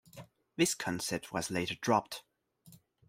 This concept was later dropped.